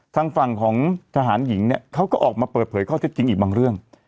ทางฝั่งของทหารหญิงเนี่ยเขาก็ออกมาเปิดเผยข้อเท็จจริงอีกบางเรื่อง